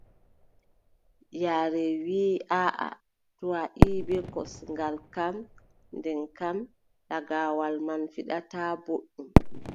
Yaare wii aaʼa, to a ƴiʼi bee kosngal kam, nden kam lagaawal man fiɗataa booɗɗum.